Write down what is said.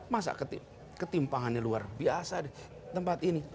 masa ketimpangannya luar biasa di tempat ini